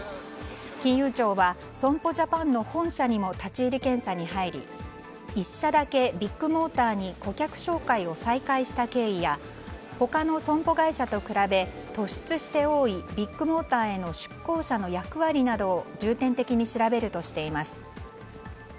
金融庁は損保ジャパンの本社にも立ち入り検査に入り１社だけ、ビッグモーターに顧客紹介を再開した経緯や他の損保会社と比べ突出して多いビッグモーターへの出向者の役割などを重点的に調べるとしています。